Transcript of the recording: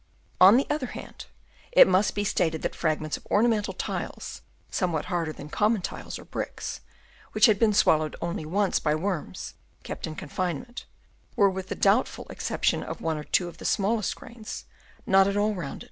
On the other hand it must be stated that fragments of ornamental tiles, somewhat harder than common tiles or bricks, which had been swallowed only once by worms kept in confinement, were with the doubtful ex ception of one or two of the smallest grains, not at all rounded.